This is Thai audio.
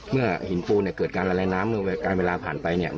เมื่อหินปูนเนี่ยเกิดการละลายน้ำเมื่อเวลาผ่านไปเนี่ย